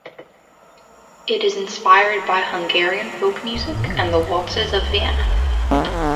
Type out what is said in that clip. It is inspired by Hungarian folk music and the waltzes of Vienna.